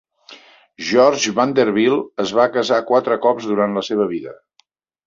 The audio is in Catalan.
George Vanderbilt es va casar quatre cops durant la seva vida.